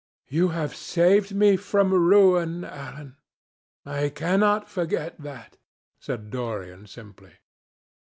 "You have saved me from ruin, Alan. I cannot forget that," said Dorian simply.